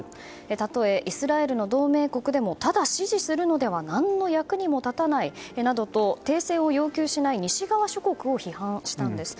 たとえ、イスラエルの同盟国でもただ支持するのでは何の役にも立たないなどと停戦を要求しない西側諸国を批判したんです。